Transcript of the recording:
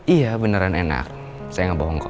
iya beneran enak saya gak bohong kok